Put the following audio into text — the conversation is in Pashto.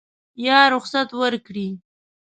یا رخصت ورکړي.